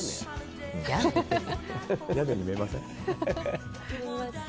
屋根に見えません？